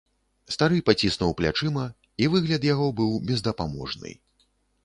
Стары паціснуў плячыма, і выгляд яго быў бездапаможны.